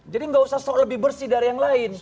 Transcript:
jadi nggak usah soal lebih bersih dari yang lain